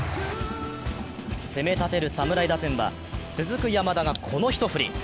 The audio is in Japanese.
攻めたてる侍打線は続く山田が、この一振り。